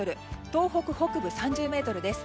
東北北部、３０メートルです。